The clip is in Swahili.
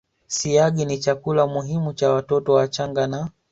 Siagi ni chakula muhimu cha watoto wachanga na